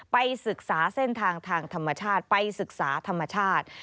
ไปศึกษาเส้นทางทางธรรมชาติไปศึกษาธรรมชาติ